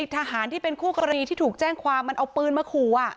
ทหารที่เป็นคู่กรณีที่ถูกแจ้งความมันเอาปืนมาขู่